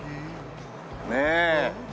ねえ。